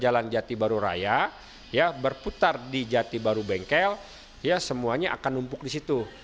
jalan jati baru raya berputar di jati baru bengkel ya semuanya akan numpuk di situ